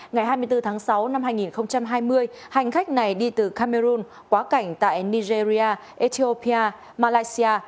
ngày hai mươi bốn tháng sáu năm hai nghìn hai mươi hành khách này đi từ cameroon quá cảnh tại nigeria ethiopia malaysia